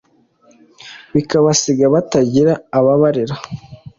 bikabasiga batagira ababarera